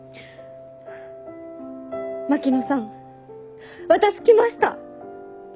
槙野さん私来ました！